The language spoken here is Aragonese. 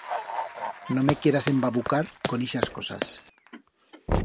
No me quieras embabucar con ixas cosas.